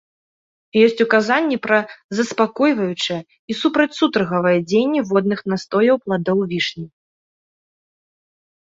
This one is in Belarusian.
Ёсць указанні пра заспакойваючае і супрацьсутаргавае дзеянне водных настояў пладоў вішні.